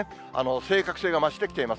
正確性が増してきています。